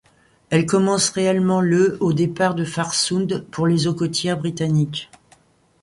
Elle commence réellement le au départ de Farsund pour les eaux côtières britanniques.